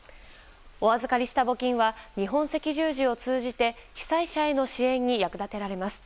お預かりした募金は日本赤十字を通じて被災者への支援に役立てられます。